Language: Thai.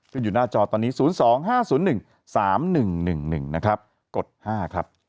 อยู่หน้าจอตอนนี้๐๒๕๐๑๓๑๑๑นะครับกฎ๕ครับ